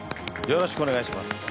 よろしくお願いします。